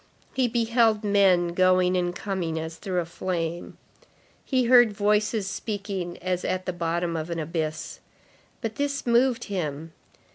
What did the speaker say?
He beheld men going and coming as through a flame. He heard voices speaking as at the bottom of an abyss. But this moved him.